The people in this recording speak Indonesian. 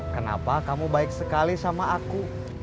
kenapa kamu baik sekali sama aku